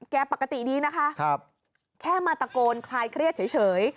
ปกติดีนะคะแค่มาตะโกนคลายเครียดเฉย